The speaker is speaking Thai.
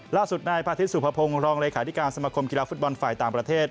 ล่าสุดนายพาทิตยสุภพงศ์รองเลขาธิการสมคมกีฬาฟุตบอลฝ่ายต่างประเทศ